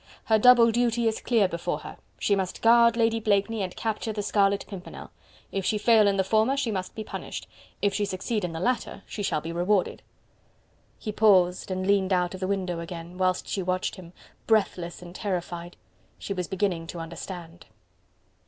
Her double duty is clear before her: she must guard Lady Blakeney and capture the Scarlet Pimpernel; if she fail in the former she must be punished, if she succeed in the latter she shall be rewarded." He paused and leaned out of the window again, whilst she watched him, breathless and terrified. She was beginning to understand.